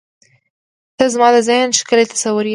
• ته زما د ذهن ښکلی تصویر یې.